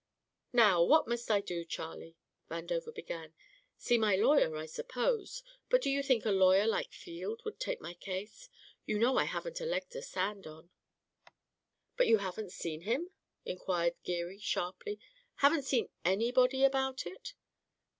"Now, what must I do, Charlie?" Vandover began. "See my lawyer, I suppose? But do you think a lawyer like Field would take my case? You know I haven't a leg to stand on." "But you haven't seen him?" inquired Geary sharply. "Haven't seen anybody about it?"